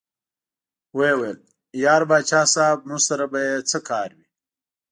ویې ویل: یار پاچا صاحب موږ سره به یې څه کار وي.